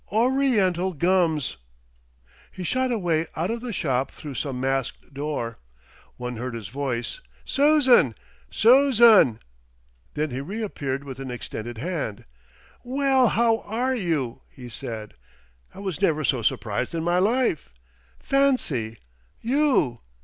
"O ri ental Gums!" He shot away out of the shop through some masked door. One heard his voice. "Susan! Susan!" Then he reappeared with an extended hand. "Well, how are you?" he said. "I was never so surprised in my life. Fancy!... _You!